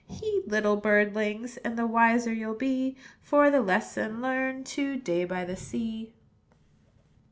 "Heed, little birdlings, And wiser you'll be For the lesson learned To day by the sea."